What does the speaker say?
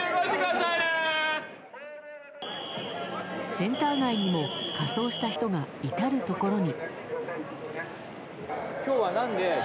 センター街にも仮装した人が至るところに。